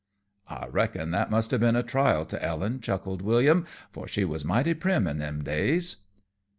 "I reckon that must have been a trial to Ellen," chuckled William, "for she was mighty prim in them days."